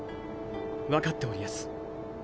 わかっておりやす。